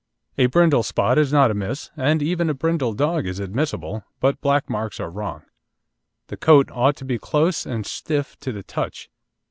A brindle spot is not amiss, and even a brindle dog is admissible, but black marks are wrong. The coat ought to be close and stiff to the touch.